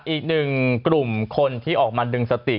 อีกหนึ่งกลุ่มคนที่ออกมาดึงสติ